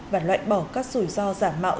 và loại bỏ các rủi ro giảm mạo